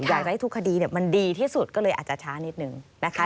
อยากจะให้ทุกคดีมันดีที่สุดก็เลยอาจจะช้านิดนึงนะคะ